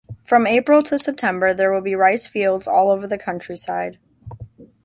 From April to September there will be rice fields all over the countryside.